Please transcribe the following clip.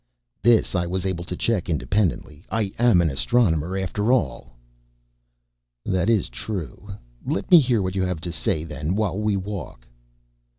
"This I was able to check independently. I am an astronomer, after all." "That is true. Let me hear what you have to say then, while we walk."